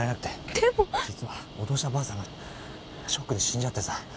実は脅したばあさんがショックで死んじゃってさ。